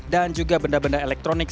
dan juga benda benda elektronik